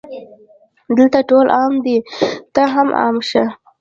دلته ټول عام دي ته هم عام شه